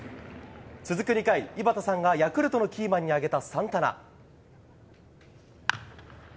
続く２回、井端さんがヤクルトのキーマンに挙げたサンタナ。